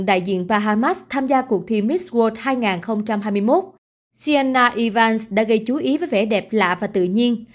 đại diện bahamas tham gia cuộc thi miss world hai nghìn hai mươi một sienna evans đã gây chú ý với vẻ đẹp lạ và tự nhiên